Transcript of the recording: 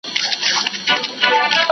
که يوه ښځه ټپي سي نو څوک به يې درملنه کوي؟